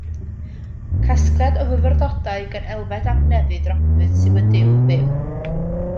Casgliad o fyfyrdodau gan Elfed ap Nefydd Roberts yw Y Duw Byw.